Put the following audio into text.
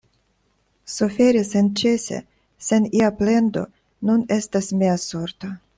Suferi senĉese, sen ia plendo, nun estas mia sorto.